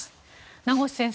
名越先生